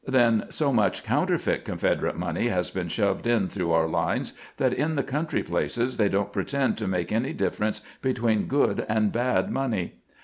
Then so much coun terfeit Confederate money has been shoved in through our lines that in the country places they don't pretend to make any difference between good and bad money.